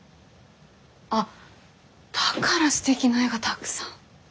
あっだからすてきな絵がたくさん。